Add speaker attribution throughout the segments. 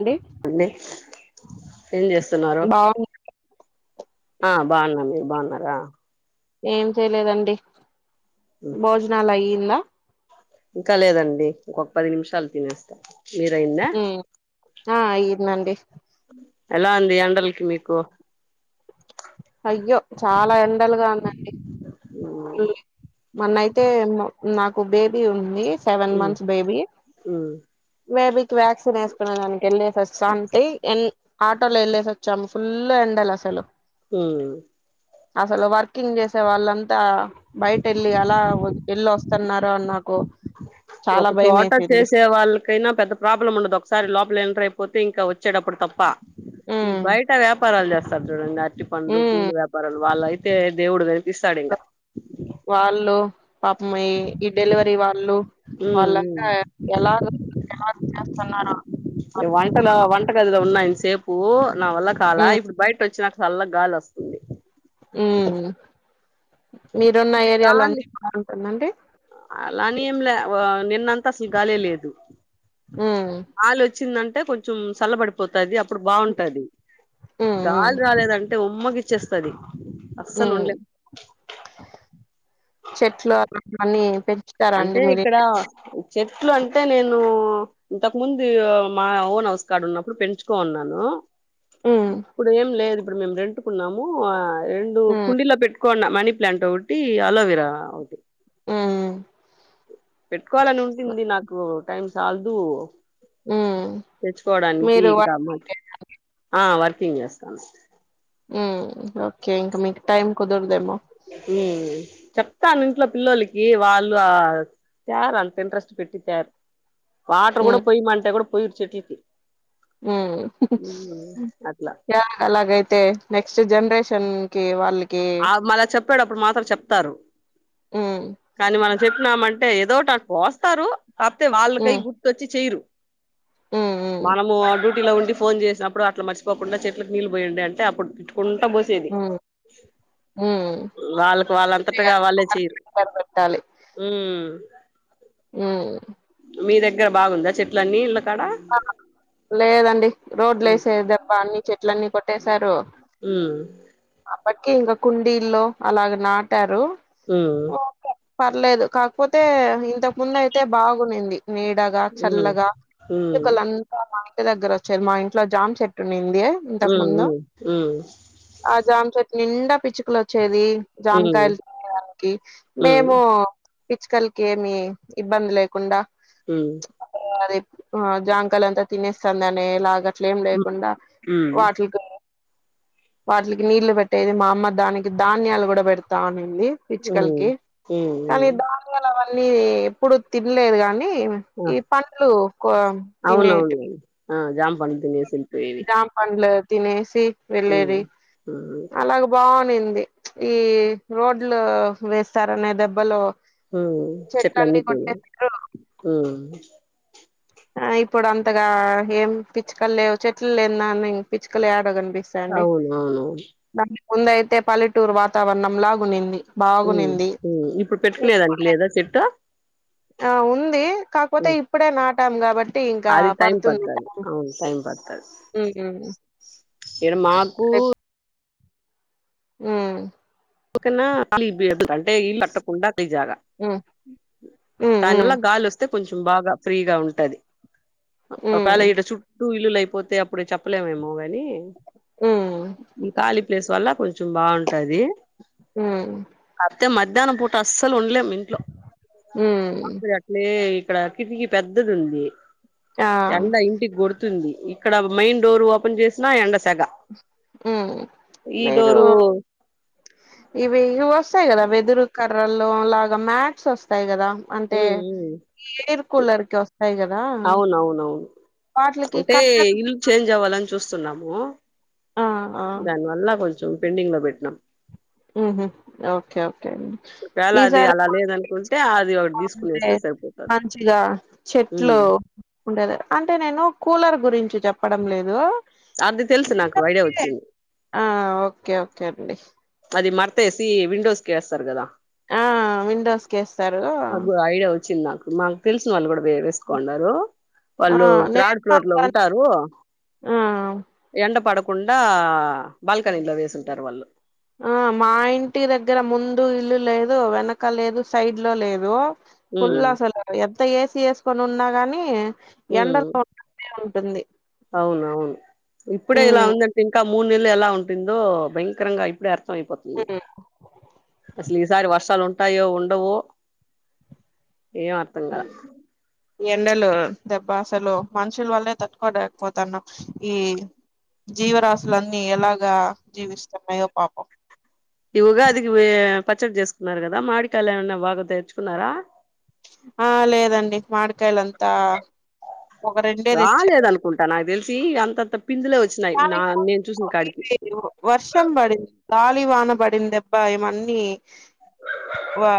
Speaker 1: అండి
Speaker 2: ఏం చేస్తున్నారు
Speaker 1: బాగు
Speaker 2: ఆ బాగున్నా మీరు బాగున్నారా?
Speaker 1: ఏం చేయలేదండి భోజనాలయ్ ఉన్న
Speaker 2: ఇంకా లేదండి ఇంకొక పది నిమిషాలు తినేస్తా మీరైంద
Speaker 1: హ్మ్. ఆ ఐయ్యిందండి
Speaker 2: ఎలా ఉంది ఎండలకి మీకు
Speaker 1: అయ్యో చాలా ఎండలుగా ఉన్నాయి
Speaker 2: ఉమ్
Speaker 1: మొన్నయితే మో నాకు బేబీ ఉంది సెవెన్ మంత్స్ బేబీ
Speaker 2: ఉమ్
Speaker 1: బేబీకి వ్యాక్సిన్ వేసుకునే దానికి వెళ్లేస్ శంతి ఎన్ ఆటోలో వెళ్ళేసి వచ్చాము ఫుల్ ఎండలు అసలు.
Speaker 2: మ్మ్
Speaker 1: అసలు వర్కింగ్ చేసే వాళ్ళంతా ంత బయట వెళ్ళి అలా ఎళ్ళ వస్తున్నారు అ నాకు. చాలా
Speaker 2: ఒక
Speaker 1: భయం
Speaker 2: చోట
Speaker 1: వేసింది
Speaker 2: చేసే వాళ్ళకైనా పెద్ద ప్రాబ్లం ఉండదు ఒకసారి లోపల ఎంటర్ అయిపోతే ఇంకా వ వచ్చేటప్పుడు తప్ప ఈ
Speaker 1: ఉమ్
Speaker 2: బయట వ్యాపారలు జస్త చూడండి పండ్లు, పుల్ల
Speaker 1: ఉమ్
Speaker 2: వ్యాపారాలు వాళ్ళ అయి థే దేవుడుద
Speaker 1: వాళ్ళు పాపమ ఈ డెలివరీ వాళ్ళు వాళ్ళంతా ఎలా ఎలా చేస్తున్నారు [unintelligible]
Speaker 2: సేపు నా వల్ల కాాలా ఇప్పుడు బయట వచ్చినాక్ చల్ల గాలి వస్తుంది
Speaker 1: ఉ మీరున్న ఏరియాలో అనీ కూడా ఉంటుందండి.
Speaker 2: అలానే ఏం లే నిన్నంతా అసలు గాలే లేదు.
Speaker 1: ఉమ్
Speaker 2: గాలి వచ్చిందంటే కొంచెం సల్బడిపోతది అప్పు ప్పుడు బాగుంటది
Speaker 1: ఉమ్ ఉమ్
Speaker 2: గాలి రాలేదంట్ టే ఉమ్మ గీచ్చేస్తుది అసలు
Speaker 1: ఉమ్
Speaker 2: ఉండలేం
Speaker 1: చెట్లు అలాంటి అన్ని పెంచ
Speaker 2: అంటే ఇక్కడ చెట్లు అంటే నేను ఇంతకు ముందు మా ఓన్ హౌస్ కాడా ఉన్నప్పుడు పెంచుకో ఉన్నాను.
Speaker 1: ఉమ్
Speaker 2: ఇప్పుడు ఏం లేదు ఇప్పుడు మేము రెంుకున్నాము రెండు
Speaker 1: ఉమ్
Speaker 2: కుండలీ పెట్ కొండ మనీ ప్లాంట్ ఒకటి అలోవిరా ఒకటి
Speaker 1: ఉమ్
Speaker 2: పెట్టుకోవాలని ఉంటుంది నాకు టైం చల్దుూ
Speaker 1: ఉమ్
Speaker 2: తెచ్చుకోవడానికి
Speaker 1: మీరు వా-
Speaker 2: ఇంకా అ మా ఆ వర్ కింగ్యాస్తస్తను
Speaker 1: ఓకే ఇంకా మీకు టైమ్ కుదరదేమో
Speaker 2: చెప్తాను ఇంట్లో పిల్లలకి వాళ్ళు ఆ త్యరూ అంత ఇంట్రెస్ట్ పెట్టి త్యారు వాటర్ కూడా పోయామంటే కూడా పోయారు చెట్లకి
Speaker 1: హు
Speaker 2: అట్లా
Speaker 1: అలాగైతే నెక్స్ట్ జనరేషన్ చెన్ కే వాళ్ళ
Speaker 2: ఆ మళ్ళ చెప్పేటప్పుడు మాత్రం చెప్తారు
Speaker 1: ఉమ్
Speaker 2: కానీ మనకు చెప్పినామంటే ఏదోటి పోస్తారు కాకపోతే వాళ్ళకై
Speaker 1: ఉమ్
Speaker 2: గుర్తుొచ్చి చేయరు
Speaker 1: ఉమ్ ఉమ్
Speaker 2: మనము అడు లో ఉండి ఫోన్ చేసినప్పుడు అట్లా మర్ిపోకుండా చెట్లకు నీళ్ళుపోయండి అంటే అప్పుడు కుంటబో సేది
Speaker 1: ఉమ్ హ్మ్
Speaker 2: వాళ్ళకు వాళ్ళంతటగా
Speaker 1: చేయాలి.
Speaker 2: వాళ్ళే
Speaker 1: ఒక
Speaker 2: చేయరు
Speaker 1: రిమైండర్
Speaker 2: ఆ
Speaker 1: ఉ
Speaker 2: మీ దగ్గర బాగుందా చెట్ల అీ ఇ
Speaker 1: లేదండి రోడ్లు
Speaker 2: ఉమ్
Speaker 1: వసేది దేభ అన్ని చెట్ అట్లన్నీ కొట్టేశారు
Speaker 2: ఉమ్
Speaker 1: కకి ఇంకా కుండీల్లో అలాగ నాటారు
Speaker 2: ఆ
Speaker 1: ఓకే పర్లేదు కాకపోతే ఇంతకు ముందు అయితే బాగా ఉన్నింది నీడగా
Speaker 2: ఉమ్
Speaker 1: చల్లగా
Speaker 2: ఉమ్
Speaker 1: కల అంత మా ఇక దగ్గర వచ్చారు మా ఇంట్లో జామ్ చెట్టు ఉన్నింది ఇంతక
Speaker 2: హ్మ్.
Speaker 1: ముందు
Speaker 2: హ్మ్.
Speaker 1: ఆ జమాచెట్లు నిండా పిచ్చుకలు వచ్చేదీ.
Speaker 2: హ్మ్.
Speaker 1: జామకాయలు తినేదానికి
Speaker 2: హ్మ్.
Speaker 1: మేమూ. పిచ్చుకల్కి ఏమీ ఇబ్బంది లేకుండా.
Speaker 2: హ్మ
Speaker 1: [unintelligible] ఆ జాంకాయ్ల్ అంతా తినేస్తాందనే ఎలాగ అట్లేం
Speaker 2: హ్మ్.
Speaker 1: లేకుండా
Speaker 2: హ్మ్. హ్మ్.
Speaker 1: వాటిల్కీ. వాటిల్కి నీళ్లు పెట్టేది. మా అమ్మ దానికి ధాన్యాలు కూడా పెడతా అని ని.
Speaker 2: హ్మ్.
Speaker 1: పిచ్చుకల్కీ
Speaker 2: హ్మ్.
Speaker 1: కానీ
Speaker 2: హ్మ్.
Speaker 1: ధాన్యాల్ అవన్ అన్నీ ఎప్పుడు తినలేదు గానీ ఏమ్
Speaker 2: ఆ!
Speaker 1: ఈ పండ్లూ కోం తినేటి
Speaker 2: అవునవునులెండి. ఆ జాం పండు తినేసి ఎళ్పోయేవి.
Speaker 1: తినేసీ వెళ్లేదీ. అలాగ బావున్ ప్పింది. ఈ రోడ్లూ వేస్తారనే దెబ్బలో
Speaker 2: ఊ చెట్లన్నీ పోయాయ్ ఊ
Speaker 1: ఆ ఇప్పుడంతగా ఏం పిచ్చుకల్లేవ్. చెట్లు లేందాన్ని పిచ్చుకల్ యేడగన్
Speaker 2: ఔవునవును.
Speaker 1: ముందైతే పల్లెటూరు వాతావర్ణం లాగునింది.
Speaker 2: హ్మ్.
Speaker 1: బాగునింది
Speaker 2: హ్మ్. ఇప్పుడు పెట్టుకునేదానికి
Speaker 1: ఇపుడ్ లే
Speaker 2: లేదా చెట్టు?
Speaker 1: ఆ ఉందీ కాక్పోతే
Speaker 2: హ్మ్.
Speaker 1: ఇప్పుడే నాట్ తాం గాబట్ ట్టీ ఇంకా
Speaker 2: అది టైం
Speaker 1: పడ్తుంది
Speaker 2: పడతది.
Speaker 1: [inaudible]
Speaker 2: అవును. టైం
Speaker 1: ఊ ఊ
Speaker 2: ఇడ మాకూ
Speaker 1: ఊ
Speaker 2: కున్నా [unintelligible] కంటే ఈల్ కట్టకుండా. లిజాగా
Speaker 1: హ్మ్ హ్మ్
Speaker 2: తన్నుల
Speaker 1: హ్మ్
Speaker 2: గాలోస్తే కొంచెం బాగా ఫ్రీగా ఉంటదీ. పపాల
Speaker 1: హ్మ్
Speaker 2: ఈడ చుట్టూ ఇల్లులైప్ పోతే అప్పుడు చెప్పలేమేమో ఓగై నీ
Speaker 1: హ్మ్
Speaker 2: ఈ కాళీ ప్లేస్ వల్ల. కొంచెం బావుంటదీ.
Speaker 1: ఊ
Speaker 2: తే మధ్యాహ్నం పూట అస్సల్ ఉండ్లేం.
Speaker 1: హ్మ్
Speaker 2: ఇప్పుడట్లే ఇక్కడా కిటికి పెద్దదుందీ.
Speaker 1: ఆ
Speaker 2: ఎండ ఇంటిక్ గొడుత్ తుంది. ఇక్కడ మైన్ డోరు ఓపెన్ జేసినా, ఎండసెగ.
Speaker 1: హ్మ్ మీరు
Speaker 2: ఈడోరూ
Speaker 1: ఇవి ఇవ్వొస్తయ్ గదా, వెదురు కర్ ల్లో లాగ మ్యాట్స్ వస్తాయ్ గదా? అంటే,
Speaker 2: ఉమ్ ఉమ్
Speaker 1: ఈ ఎయిర్ కూలర్కొస్తయ్ గదా.
Speaker 2: అవునవునవును
Speaker 1: వాట్లకీ
Speaker 2: అంటే
Speaker 1: కర్ట్
Speaker 2: ఇల్లు చూస్తున్నాము. దానివల్ల కొంచ్ కొంచెం పెండింగ్ లో పెట్టిన.
Speaker 1: ఉహు, ఒకే ఒకే అండి.
Speaker 2: ఒకవేళ అది
Speaker 1: ఈసారి
Speaker 2: అలా లేదనుకుంటే అది ఒకటి తీసుకునేస్తే సరిపోతది
Speaker 1: మంచిగా
Speaker 2: ఉమ్
Speaker 1: చెట్లు ఉండేది, అంటే నేను కూలర్ గురించి చెప్పడం లేదు.
Speaker 2: అది తెలుసు నాకు ఐడియా వచ్చింది
Speaker 1: ఆ, ఒకే ఒకే అండి.
Speaker 2: అది మడతేసి, విండోస్కేస్తారు కదా?
Speaker 1: ఆ విండోస్కేస్తారు.
Speaker 2: నాకు ఐడియా వచ్చింది నాకు మాకు తెలిసిన వాళ్ళు కూడా వే వేసుకోండారు.
Speaker 1: ఆ
Speaker 2: వాళ్ళు
Speaker 1: నేను
Speaker 2: థ్రాడ్ ఫ్లోర్ లో
Speaker 1: అలానే
Speaker 2: ఉంటారు.
Speaker 1: ఆ
Speaker 2: ఎండ పడక్ కుండా బాల్కనీ లో వేసుంటారు వాళ్ళు.
Speaker 1: ఆ, మా ఇంటి దగ్గర ముందు ఇల్లు లేదు, వెనక లేదు, సైడ్ లో లేదు. ఫుల్
Speaker 2: ఉమ్
Speaker 1: అసలు, ఎంత్ త్త ఏసి ఏసుకొని ఉన్నా కానీ.
Speaker 2: ఉమ్
Speaker 1: ఎండలు [unintelligible] టుంది.
Speaker 2: అవునవును, ఇప్పుడే ఇలా ఉందంటే ఇంకా మూడు నెల్లు ఎలా ఉంటుందో, భయంకరంగా ఇప్పుడే అర్ద్ ఐపోతుంది,
Speaker 1: ఉమ్
Speaker 2: అస్ లీసారి వర్షాలు ఉంటాయో, ఉండవో? ఏం అర్థం కాట్
Speaker 1: ఈ ఎండలు దెబ్బఅసలు మనుషులు వల్లే తట్టుకోలేకపోతన్నాం, ఈ జీవరాశులన్నీ ఎలాగ జీవిస్తున్నాయో పాపం.
Speaker 2: ఈ ఉగాది కి వే పచ్చడి చేసుకున్నారు కదా, మావిడికాయలు ఏమన్నా బాగా తెచ్చుకున్నారా?
Speaker 1: ఆ లేదండి, మావిడికాయలంత
Speaker 2: రాలేేదు అనుకుంటా, నాకు తెలిసి అంతంత ప్
Speaker 1: వర్షం పడింది గాల్ గీ వాన పడింది దెబ్బ ఎమ్ అన్ని వా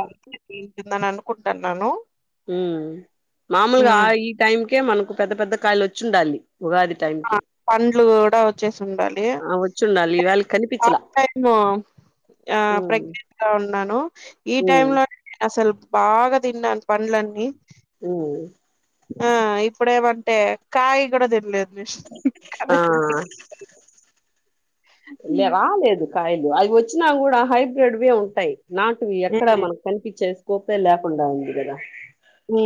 Speaker 1: ఈ నన్ను కొట్టు అన్నాను
Speaker 2: ఉ మామూలుగా ఆ ఈ టైమ్ కే మను పెద్ద పెద్ద కాయలు వచ్చుండాలి ఉగాది
Speaker 1: ఆ
Speaker 2: టైంకి
Speaker 1: పండ్లు గుడా వచ్చేసుండాలి.
Speaker 2: ఆ వచ్చుండాలి ఇవాళ కనిపించలా
Speaker 1: ఫస్ట్ టైమ్ ఆ
Speaker 2: ఉమ్
Speaker 1: ప్రెగ్నెంట్ గా ఉన్నాను. ఈ టైమ్
Speaker 2: ఉమ్
Speaker 1: లో నేను అసలు బాగా తిన్నాను పండ్లన్నీ
Speaker 2: ఉ
Speaker 1: ఆ ఇప్పుడేమంటే కాయ్ గుడా తినలేదు. నేను.
Speaker 2: ఆ
Speaker 1: కాయ కూడా తినలేదు.
Speaker 2: వెళ్ళావా లేదు కాయలు అవి వచ్చినా గుడా హైబ్రిడ్ వే ఉంటాయి నాటువి ఎక్కడ
Speaker 1: ఉమ్.
Speaker 2: మనకు కనిపించే కోప్పే ల్యాక్ కుండా ఉంది గదా
Speaker 1: ఆ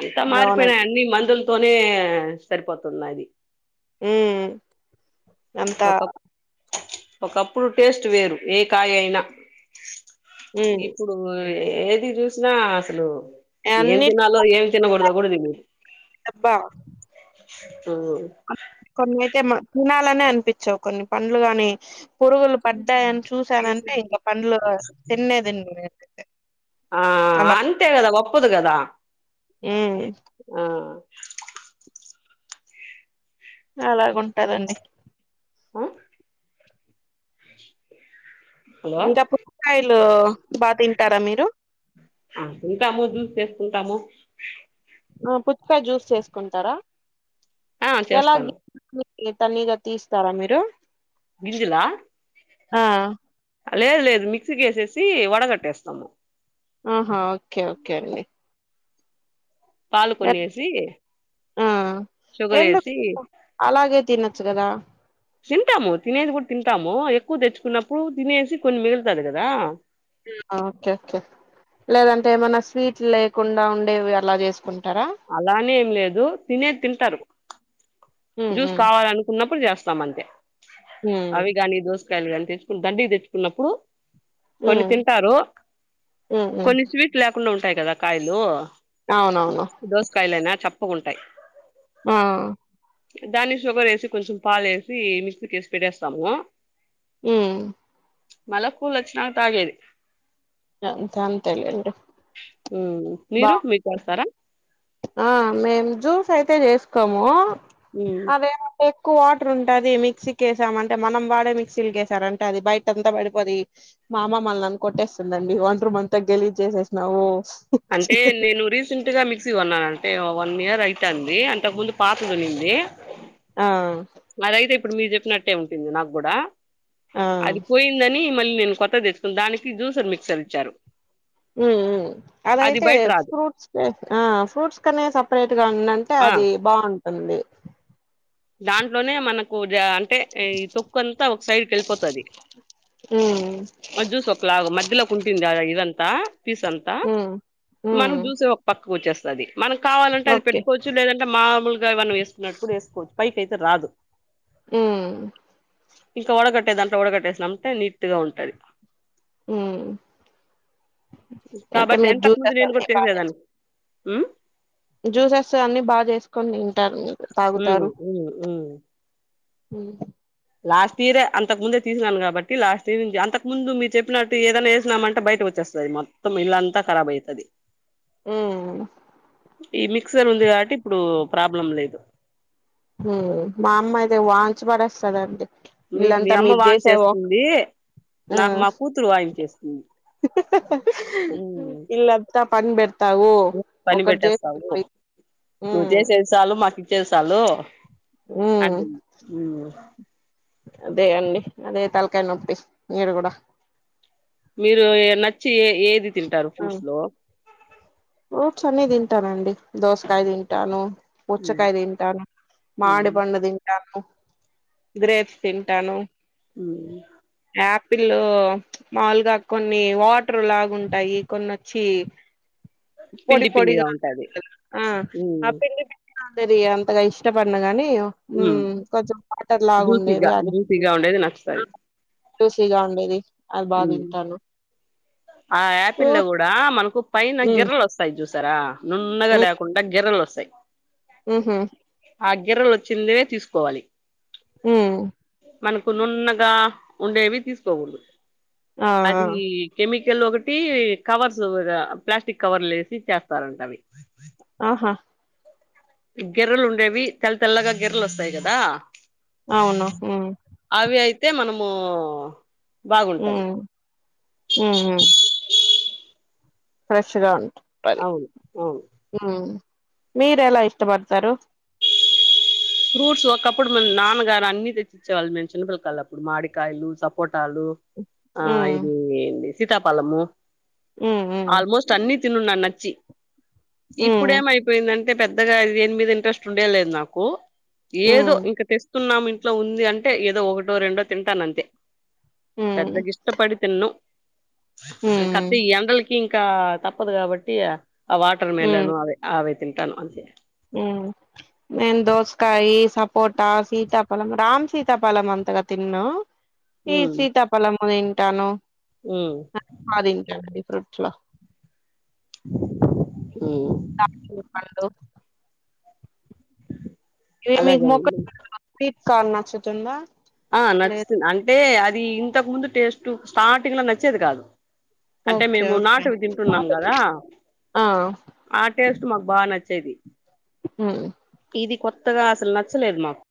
Speaker 2: అంతా మారిపోయినాయి
Speaker 1: అవునండి.
Speaker 2: అన్ని మందుల్ తోనే సరిపోతున్న అది
Speaker 1: ఉ నంతా
Speaker 2: ఒక ఒకప్పుడు టేస్ట్ వేరు ఏ కాయ అయినా
Speaker 1: హ్మ్.
Speaker 2: ఇప్పుడు వె ఏది చూసినా అసలు ఏమ్
Speaker 1: అన్నిటి
Speaker 2: తినాలో ఏమ్ తినకూడదో గూడ తెలీదు అ
Speaker 1: కొన్ని అయితే మా తినాలనే అనిపించవు కొన్ని పండ్లు గాని పురుగులు పడ్డాయని చూసానంటే ఇంక పండ్లు తిన్నే తినను నేనైతే.
Speaker 2: ఆ
Speaker 1: అలా
Speaker 2: అంతే గదా ఒప్పుదు గదా
Speaker 1: హ్మ్.
Speaker 2: ఆ
Speaker 1: అలాగు ఉన్ పట్టదండి
Speaker 2: ఆ హలో
Speaker 1: ఇంకా పుట్ కాయలు బాగా తింటారా మీరు
Speaker 2: ఉంటాము
Speaker 1: ఆ పుచ్చకాయ జ్యూస్ చేసుకుంటారా
Speaker 2: ఆ చేస్తాను
Speaker 1: ఏ తనీగా తీస్తారా మీరు
Speaker 2: విజిల
Speaker 1: ఆ
Speaker 2: లేదు లేదు మిక్సీకి వేసేసి వడకట్టేస్తాము
Speaker 1: ఆహా ఓకే ఓకే అండి
Speaker 2: పాలు కొన్ని వేసి
Speaker 1: ఆ
Speaker 2: షుగర్
Speaker 1: ఎందుకు
Speaker 2: వేసి
Speaker 1: అలాగే తినొచ్చు కదా
Speaker 2: తింటాము తినేది కూడా తింటాము ఎక్కువ తెచ్చుకున్నప్పుడు తినేసి కొన్ని మిగులుతంది కదా
Speaker 1: ఓకే ఓకే లేదంటే ఏమన్నా స్వీట్లు లేకుండా ఉండేవి అలా చేసుకుంటా
Speaker 2: అలానే ఏం లేదు తినే తింటారు
Speaker 1: ఉమ్
Speaker 2: జ్యూస్
Speaker 1: ఉమ్
Speaker 2: కావాలనుకున్నప్పుడు ఇప్పుడు చేస్తామ అంతే అవి
Speaker 1: ఉమ్
Speaker 2: కానీ దోస్త కానీ తెచ్చుకు దండిగ తెచ్చుకున్నప్పుడు
Speaker 1: ఉమ్
Speaker 2: కొన్ని తింటారు
Speaker 1: ఉమ్ ఉమ్
Speaker 2: కొన్ని స్వీట్ లేకుండా ఉ ఉంటాయి కదా కాయలు
Speaker 1: అవునవును
Speaker 2: దోస కాయలేనా ప్పుకుంటాయి
Speaker 1: ఆ
Speaker 2: దాన్ని షుగర్ వేసి కొంచెం పాలు వేసి మిక్స్ కేసి పెట్టేస్తాము
Speaker 1: ఆ
Speaker 2: మళ కూల్ వచ్చినా తాగేది
Speaker 1: ఇంకా అంతేలే
Speaker 2: ఉ మీరు మీట్స్తారా
Speaker 1: ఆ మేము జ్యూస్ అయితే చేసుకోము
Speaker 2: మ్మ్
Speaker 1: అవే ఎక్కువ వాటర్ ఉంటది మిక్సీకె సామంటే మనం వాడే మిక్సీకేసారంటే అది బయట అంతా పడిపోది మా అమ్మ మల్ని అను కొట్టేస్తుందండి వంత రూమ్ అంతా గెలీజ్ చేసేసినవు
Speaker 2: అంటే నేను రీసెంట్ గా మిక్సీ కొన్నాను అంటే వన్ ఇయర్ అయితుంది అంట ముందు పాతదున్నింది
Speaker 1: ఆ
Speaker 2: అదైతే ఇప్పుడు మీరు చెప్పినట్టే ఉంటుంది నాకు కూడా
Speaker 1: ఆ
Speaker 2: అది పోయిందని మళ్ళీ నేను కొ త్త తెచ్చుకుని దానికి జ్యూసర్ మిక్సర్ ఇచ్చారు అది
Speaker 1: అదైతే
Speaker 2: బయట రాదు
Speaker 1: ఫ్రూట్స్ ఆ ఫ్రూట్స్ కనే సపరేట్ గా అంటే
Speaker 2: ఆ
Speaker 1: అది బాగుంటంది అంది
Speaker 2: దాంట్లోనే మనకు అ అంటే ఈ తొక్కు అంతా ఒక సైడ్కి వెళ్ళిపోతుది
Speaker 1: ఉమ్
Speaker 2: మ జ్యూస్ ఒకలాగా మధ్యలో ఒక ఉంటుంది ఇది అంతా. పీస్ అంతా
Speaker 1: ఉమ్
Speaker 2: మనం
Speaker 1: ఉమ్
Speaker 2: జ్యూస్ ఒక పక్క కూర్చేస్తది. మనం కావాలంటే అది
Speaker 1: ఓకే
Speaker 2: పెట్టుకోవచ్చు లేదంటే మామూలు వన్న వేసుకున్నటు వేసుకోవచ్చు పైకి అయితే రాదు
Speaker 1: ఆ
Speaker 2: ఇంకా వడకట్టే దాంట్లో వడకట్టేసిన అంటే నీట్ గా ఉంటుది
Speaker 1: హ
Speaker 2: కాబట్టి అంతకు ముందు నేను కూడా
Speaker 1: బాగా
Speaker 2: తిరిగేదాన్ని
Speaker 1: చేసు
Speaker 2: ఉమ్
Speaker 1: జ్యూసెస్ అన్ని బాగా చేసుకొని తింటారు మీరు
Speaker 2: ఉ
Speaker 1: హ
Speaker 2: లాస్ట్ ఇయరే అంతకు ముందే తీసినాను కాబట్టి లాస్ట్ ఇయర్ నుంచి అంతకు ముందు మీరు చెప్పినట్టు ఏదనా వేసినామంటే బయటకు వచ్చేస్తుంది మొత్తం ఇల్లంతా కరాబ్ అవుతుంది
Speaker 1: ఆ
Speaker 2: ఈ మిక్సర్ ఉంది కాబట్టి ఇప్పుడు ప్రాబ్లం లేదు
Speaker 1: మా అమ్మయితే వాన్చిబడేస్తాదండి
Speaker 2: మీకు మీ అమ్మ వాన్చేస్తుంది
Speaker 1: ఆ
Speaker 2: నాకు మా కూతురు వాయించేస్తుంది
Speaker 1: ఇల్లంతా అందరూ
Speaker 2: పని పెట్టేస్తావు నువ్వు
Speaker 1: ఉమ్
Speaker 2: చేసేది సాలు మాకు ఇచ్చేస్త [unintelligible]
Speaker 1: ఉమ్
Speaker 2: అంటుంది ఉమ్
Speaker 1: అదే అండి అదే తలకాయ నొప్పి ఈడ కూడా
Speaker 2: మీరు నచ్చి ఏ ఏది తింటారు
Speaker 1: ఆ
Speaker 2: ఫ్రూట్స్ లో
Speaker 1: ఫూట్స్ అన్ని తింటానండి దోసకాయ తింటాను పూచ్చకాయ తింటాను మామిడి పండు తింటాను గ్రేప్స్ తింటాను
Speaker 2: హ్మ్మ్
Speaker 1: ఆపిల్ మాములుగా కొన్ని వాటర్ లాగుంటాయి కొన్న వచ్చి పొడి
Speaker 2: పిండి పిండిగా
Speaker 1: పొడిగా
Speaker 2: ఉంటది
Speaker 1: ఆ సరిగా అంతగా ఇష్టపడను గాని ఉమ్ కొంచెం వాటర్ లాగుండేది
Speaker 2: జ్యూసీగా
Speaker 1: అ
Speaker 2: జ్యూసీగా ఉండేది నచ్చుతది
Speaker 1: జ్యూసీ గా ఉండేది అ బాగా తింటాను
Speaker 2: పిల్ల
Speaker 1: ఫ్రూట్స్
Speaker 2: కూడా మనకు పైన గిర్రెలు వస్తాయి జ్యూసర్ ఆ నున్నగా లేకుండా గిరలొస్ సయ్
Speaker 1: ఊహు
Speaker 2: ఆ గిర్రలొచ్చిందే తీసుకోవాలి
Speaker 1: ఊ
Speaker 2: మనకు నున్నగా ఉండేవి తీసుకోకూడదు
Speaker 1: ఆ
Speaker 2: అదీ కెమిక్ కెళ్ళోకటి కవర్సు ఈ ద ప్లాస్టిక్ కవర్లు వేసి ఇచ్చేస్తారంటవి
Speaker 1: హ
Speaker 2: గిర్రెలు ఉండేవి తెల్ల తెల్లగా గిర్రెలు వస్తాయి కదా
Speaker 1: అవును ఊ
Speaker 2: అవి అయితే మనము
Speaker 1: ఊ
Speaker 2: బాగుంటది
Speaker 1: ఉహు ఫ్రెష్గా ఉంటు
Speaker 2: అవును అవును
Speaker 1: ఊ మీరెలా ఇష్టపడతారు
Speaker 2: ఫ్రూట్స్ ఒకప్పుడు మ నాన్నగారు అన్ని తెచ్చిచ్చేవాళ్ళు మేము చిన్నపిలకాళ్ళప్పుడు మాడికాయలు సపోటాలు ఆ
Speaker 1: ఉమ్
Speaker 2: ఇదేందీ సితా పలము
Speaker 1: ఉమ్ ఉమ్
Speaker 2: ఆల్మోస్ట్ అన్ని తినున్న నచ్చి
Speaker 1: ఉమ్
Speaker 2: ఈప్పుడేం అయిపోయిందం టే పెద్దగా ఇవేన్ మీద ఇంట్రెస్ట్ ఉండేలేదు నాకు ఏదో
Speaker 1: ఉమ్
Speaker 2: ఇంక తెస్ తున్నాం ఇంట్లో ఉంది అంటే ఏదో ఒకటో రెండో తింటాను అంతే
Speaker 1: ఉమ్
Speaker 2: పెద్దగిష్టపడి తిను కతె
Speaker 1: ఉమ్
Speaker 2: ఈ ఎండలకి కా తప్పదు కాబట్టి ఆ వాటర్ మెలను అవె ఆవె తింటాను అంతే
Speaker 1: ఊ నేను దోసకాయి సపోట సీతాఫలం రామ్ సీతాఫలం అంతగా తిన్ను ఈ
Speaker 2: ఉమ్
Speaker 1: సీతాపలం అదిన్ ట్టను
Speaker 2: ఉమ్
Speaker 1: మాదింట అండి రొట్ల
Speaker 2: హు
Speaker 1: కాజుల పండ్లు
Speaker 2: అలాగే అండి
Speaker 1: కాల్ నచ్చుతుందా
Speaker 2: ఆ
Speaker 1: లేదు
Speaker 2: నచ్చుతుంది అంటే అద్ అది ఇంతకు ముందు టెస్టు స్టార్టింగ్లా నచ్చేది కాదు. అంటే
Speaker 1: ఓకే
Speaker 2: మీము
Speaker 1: ఓకే
Speaker 2: నాటువి తింటున్నాం కదా.
Speaker 1: ఆ
Speaker 2: ఆటేస్ మాకు బా నచ్చేది
Speaker 1: ఉమ్
Speaker 2: ఇది కొంత్ త్తగా అసలు నచ్చలేదు. మాకు